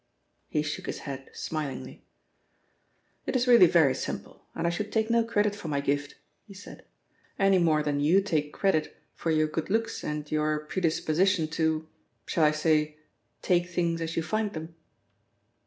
He shook his head smilingly. "It is really very simple, and I should take no credit for my gift," he said, "any more than you take credit for your good looks and your predisposition to shall I say 'take things as you find them'?"